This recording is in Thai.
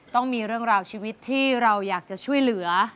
ต้องมีเรื่องราวชีวิตที่เราอยากจะช่วยเหลือ